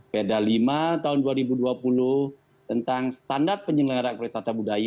peda lima tahun dua ribu dua puluh tentang standar penyelenggara wisata budaya